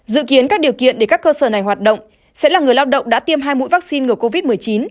dự kiến các điều kiện để các cơ sở này hoạt động sẽ là người lao động đã tiêm hai mũi vaccine ngừa covid một mươi chín